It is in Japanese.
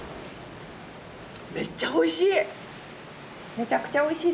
めっちゃおいしい！